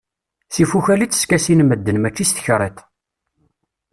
S ifukal i tteskasin medden, mačči s tekriṭ...